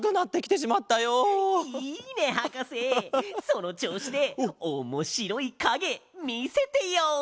そのちょうしでおもしろいかげみせてよ！